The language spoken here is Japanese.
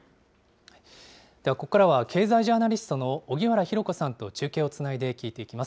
ではここからは経済ジャーナリストの荻原博子さんと中継をつないで聞いていきます。